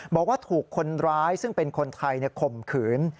บอกว่าถูกคนร้ายซึ่งเป็นคนไทยข่มขืน